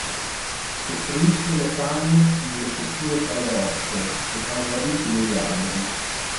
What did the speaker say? Costruisce le tane nelle fessure tra le rocce o tra le radici degli alberi.